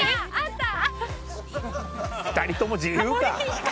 ２人とも自由か！